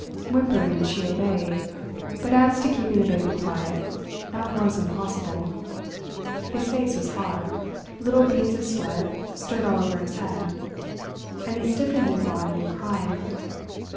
Whimpering she obeyed, but as to keeping the baby quiet, that was impossible. His face was hot, little beads of sweat stood all over his head, and he stiffened his body and cried.